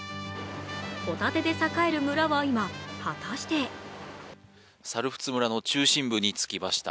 ホタテで栄える村は今、果たして猿払村の中心部に着きました。